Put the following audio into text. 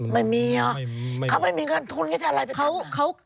ไม่มีอ่ะเขาไม่มีเงินทุนก็แทนอะไรไปทำ